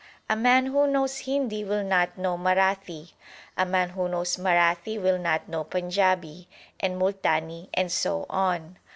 A man who knows Hindi will not know Marathi ; a man who knows Marathi will not know Panjabi and Multani, and so on.